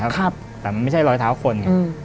แต่มันไม่ใช่รอยเท้าคน